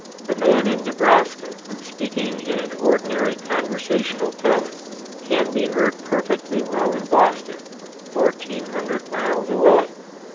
The man in Nebraska, speaking in an ordinary conversational tone, can be heard perfectly well in Boston, 1,400 miles away.